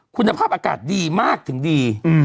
คุณภาพอากาศดีมากถึงดี